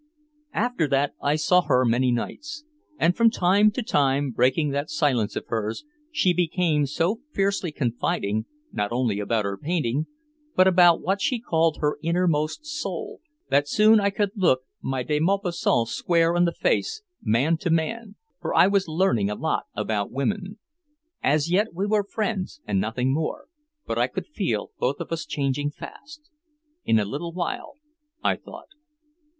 After that I saw her many nights. And from time to time breaking that silence of hers, she became so fiercely confiding, not only about her painting, but about what she called her innermost soul, that soon I could look my De Maupassant square in the face, man to man, for I was learning a lot about women. As yet we were friends and nothing more, but I could feel both of us changing fast. "In a little while," I thought.